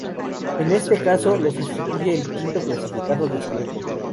En este caso, lo sustituye el quinto clasificado de su grupo.